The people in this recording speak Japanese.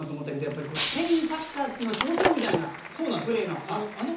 やっぱりスペインサッカーの象徴みたいなプレーの。